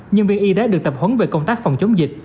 nhân viên y tế được tập huấn về công tác phòng chống dịch